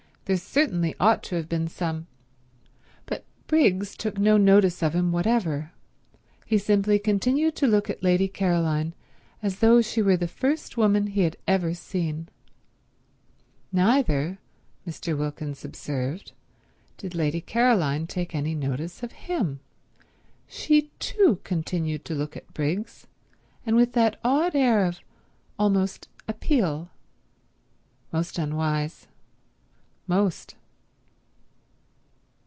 There certainly ought to have been some—" But Briggs took no notice of him whatever; he simply continued to look at Lady Caroline as though she were the first woman he had ever seen. Neither, Mr. Wilkins observed, did Lady Caroline take any notice of him; she too continued to look at Briggs, and with that odd air of almost appeal. Most unwise. Most.